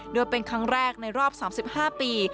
โดยเป็นครั้งแรกในรอบ๓๕ปี